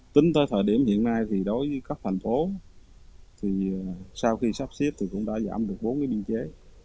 tính tới thời điểm hiện nay thì đối với các thành phố thì sau khi sắp xếp thì cũng đã giảm được bốn cái biên chế